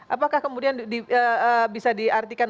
apakah kemudian bisa diartikan